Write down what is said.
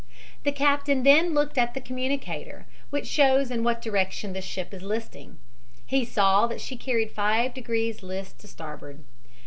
The captain then looked at the communicator, which shows in what direction the ship is listing. He saw that she carried five degrees list to starboard.